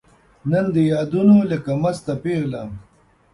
نن دي یادونو لکه مسته پیغله